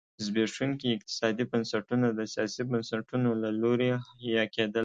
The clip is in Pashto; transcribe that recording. زبېښونکي اقتصادي بنسټونه د سیاسي بنسټونو له لوري حیه کېدل.